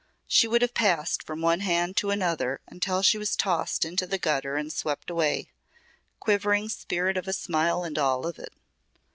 She would have passed from one hand to another until she was tossed into the gutter and swept away quivering spirit of a smile and all of it.